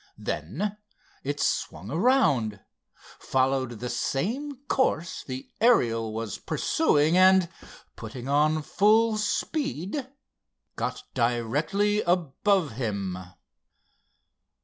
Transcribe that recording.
Then it swung around, followed the same course the Ariel was pursuing and, putting on full speed, got directly above him.